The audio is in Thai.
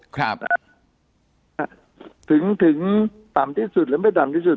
ครับนะฮะถึงถึงต่ำที่สุดหรือไม่ต่ำที่สุด